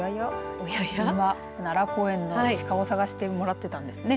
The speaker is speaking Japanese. これは奈良公園の鹿を探してもらっていたんですね。